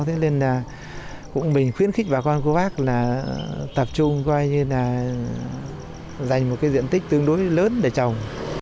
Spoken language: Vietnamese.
thế nên là mình khuyến khích bà con cô bác là tập trung coi như là dành một cái diện tích tương đối lớn để trồng